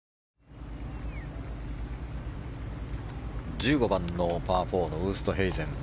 １５番のパー４のウーストヘイゼン。